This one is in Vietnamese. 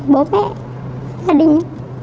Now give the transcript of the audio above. bố mẹ gia đình